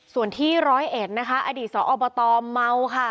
ส่วนที่ร้อยเอ็ดนะคะอดีตสอบตเมาค่ะ